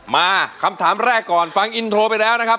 มาคำถามแรกก่อนฟังอินโทรไปแล้วนะครับ